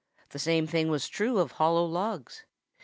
The same thing was true of hollow logs.